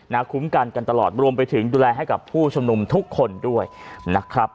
คุ้มกันกันตลอดรวมไปถึงดูแลให้กับผู้ชมนุมทุกคนด้วยนะครับ